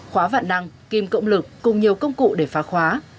khóa vạn năng kim cộng lực cùng nhiều công cụ để phá khóa